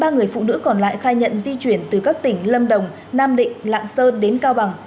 ba người phụ nữ còn lại khai nhận di chuyển từ các tỉnh lâm đồng nam định lạng sơn đến cao bằng